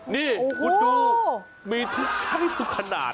นี่คุณดูมีช่วยทุกขนาด